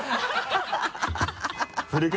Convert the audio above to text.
ハハハ